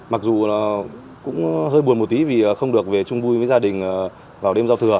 mặc dù là cũng hơi buồn một tí vì không được về chung vui với gia đình vào đêm giao thừa